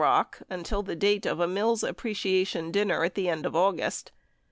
913 Rock until the date of a Mills appreciation dinner at the end of August.